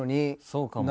そうかも。